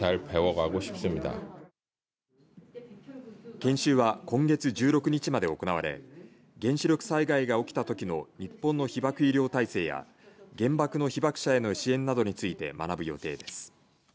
研修は今月１６日まで行われ原子力災害が起きたときの日本の被ばく医療体制や原爆の被ばく者への支援などについて学ぶ予定です。